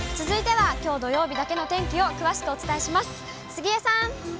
続いてはきょう土曜日だけの天気を詳しくお伝えします。